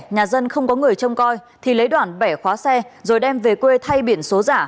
nhà dân không có người trông coi thì lấy đoàn bẻ khóa xe rồi đem về quê thay biển số giả